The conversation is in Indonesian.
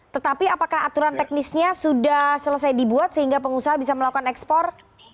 tetapi apakah aturan teknisnya sudah selesai dibuat sehingga pengusaha bisa melakukan ekspor